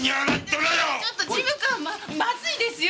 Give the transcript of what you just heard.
ちょっと事務官ままずいですよ。